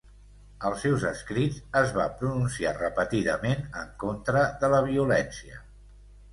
Als seus escrits es va pronunciar repetidament en contra de la violència.